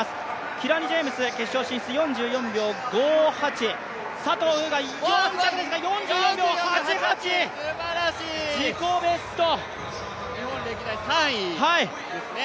キラニ・ジェームス、決勝進出４４秒５８、佐藤風雅、４着、４４秒８８、日本歴代３位ですね。